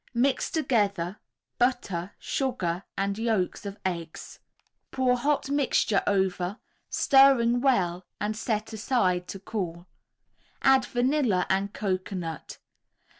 Mix together, butter, sugar and yolks of eggs. Pour hot mixture over, stirring well and set aside to cool. Add vanilla and cocoanut.